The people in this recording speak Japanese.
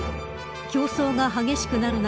競争が激しくなる中